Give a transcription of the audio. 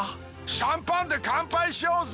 シャンパンで乾杯しようぜ！